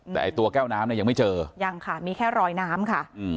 แต่ตัวแก้วน้ำเนี่ยยังไม่เจอยังค่ะมีแค่รอยน้ำค่ะ